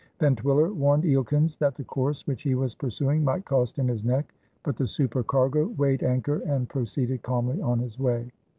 Van Twiller warned Eelkens that the course which he was pursuing might cost him his neck; but the supercargo weighed anchor and proceeded calmly on his way.